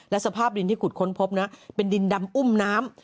สภาพดินที่ขุดค้นพบนะเป็นดินดำอุ้มน้ำ